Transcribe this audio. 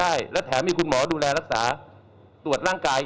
เพราะถือว่าคุณไม่มีความรับผิดชอบต่อสังคม